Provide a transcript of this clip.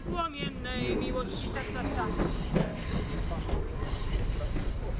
Yew is associated with death and rebirth.